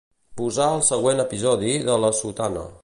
Posar el següent episodi de "La sotana".